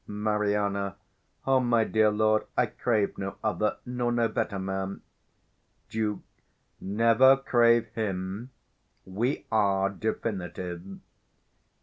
Mari. O my dear lord, I crave no other, nor no better man. Duke. Never crave him; we are definitive.